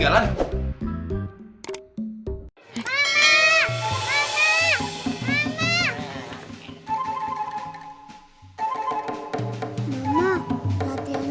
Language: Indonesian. gantikan dulu lerapm tujuh n